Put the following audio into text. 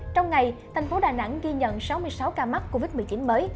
trong ngày thành phố đà nẵng ghi nhận sáu mươi sáu ca mắc covid một mươi chín mới